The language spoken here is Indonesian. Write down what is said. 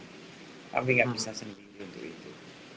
tapi nggak bisa sendiri untuk itu